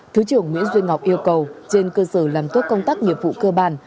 thứ trưởng nguyễn duy ngọc yêu cầu trên cơ sở làm tốt công tác nghiệp vụ cơ bản